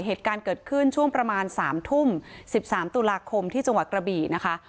เหตุการณ์เกิดขึ้นช่วงประมาณ๓ทุ่ม๑๓ตุลาคมที่จังหวัดกระบี่นะคะ